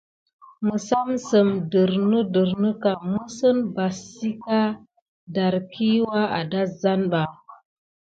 Məssamsəm dernədernə kam misine basika darkiwa adasan ba.